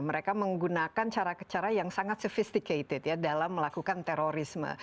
mereka menggunakan cara cara yang sangat sophisticated ya dalam melakukan terorisme